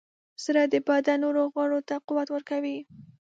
زړه د بدن نورو غړو ته قوت ورکوي.